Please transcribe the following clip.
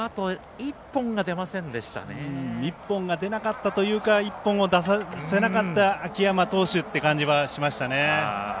１本が出なかったというか１本を出させなかった秋山投手っていう感じはしましたね。